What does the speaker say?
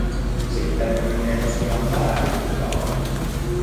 Sitten hän menee tosiaan läävän kujaan.